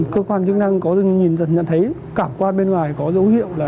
cơ quan chức năng có nhìn dần nhận thấy cảm quan bên ngoài có dấu hiệu là